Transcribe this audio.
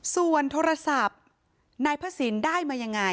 ส่วนโทรศัพท์นายพระศิลป์ได้มายังไง